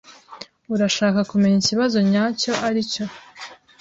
Urashaka kumenya ikibazo nyacyo aricyo?